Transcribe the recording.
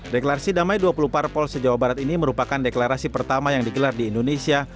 deklarasi damai dua puluh parpol se jawa barat ini merupakan deklarasi pertama yang digelar di indonesia